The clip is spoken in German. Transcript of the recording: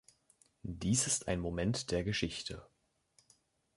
Dies ist ein Moment der Geschichte.